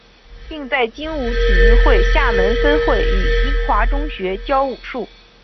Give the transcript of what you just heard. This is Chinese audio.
并在精武体育会厦门分会与英华中学教武术。